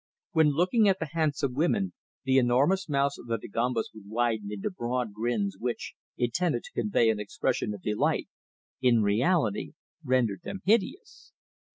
When looking at the handsome women, the enormous mouths of the Dagombas would widen into broad grins which, intended to convey an expression of delight, in reality rendered them hideous.